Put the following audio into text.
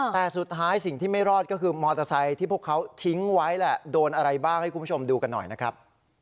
แต่สุดท้ายสิ่งที่ไม่รอดก็คือมอเตอร์ไซค์ที่พวกเขาทิ้งไว้แหละโดนอะไรบ้างให้คุณผู้ชมดูกันหน่อยนะครับ